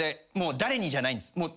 誰にじゃないんです